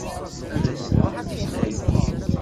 Ad as-tent-id-theggimt?